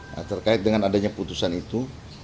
nah terkait dengan adanya putusan itu